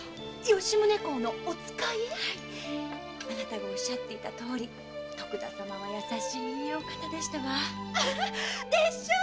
あなたがおっしゃていたとおり徳田様は優しいいいお方でした。でしょう！